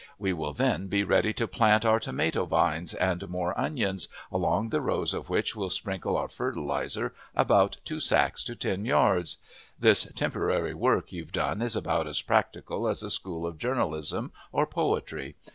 We will then be ready to plant our tomato vines and more onions, along the rows of which we'll sprinkle our fertilizer about two sacks to ten yards. This temporary work you've done is about as practical as a school of journalism or poetry.